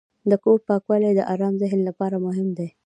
د کور پاکوالی د آرام ذهن لپاره مهم دی.